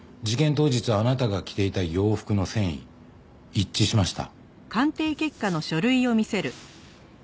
当日あなたが着ていた洋服の繊維一致しました。